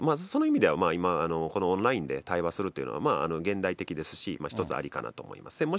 その意味では、今、このオンラインで対話するというのは、まあ現代的ですし、一つありかなと思います。